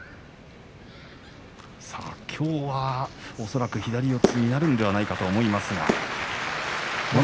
きょうは恐らく左四つになるのではないかと思いますが。